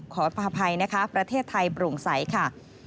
ขออภัยนะคะประเทศไทยโปร่งใสค่ะ